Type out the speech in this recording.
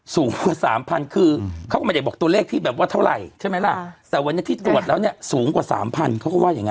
สูงกว่าสามพันคือเขาก็ไม่ได้บอกตัวเลขที่แบบว่าเท่าไหร่ใช่ไหมล่ะแต่วันนี้ที่ตรวจแล้วเนี่ยสูงกว่าสามพันเขาก็ว่าอย่างนั้น